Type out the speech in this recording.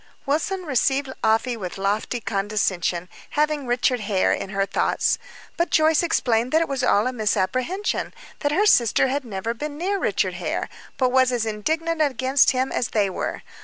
Wilson received Afy with lofty condescension, having Richard Hare in her thoughts. But Joyce explained that it was all a misapprehension that her sister had never been near Richard Hare, but was as indignant against him as they were.